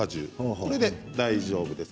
これで大丈夫です。